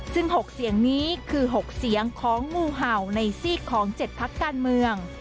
ซึ่ง๖เสียงนี้คือ๖เสียงของงูเห่าในซีกของ๗พักการเมือง